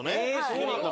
そうなんだ。